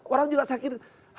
orang juga sakit